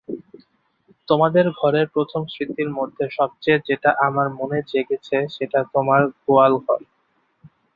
তোমাদের ঘরের প্রথম স্মৃতির মধ্যে সব চেয়ে যেটা আমার মনে জাগছে সে তোমাদের গোয়ালঘর।